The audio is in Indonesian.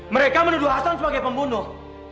mereka menuduh hasan sebagai pembunuh